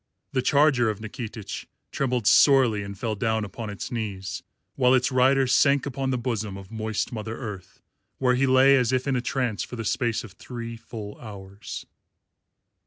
The charger of Nikitich trembled sorely and fell down upon its knees, while its rider sank upon the bosom of moist Mother Earth, where he lay as if in a trance for the space of three full hours.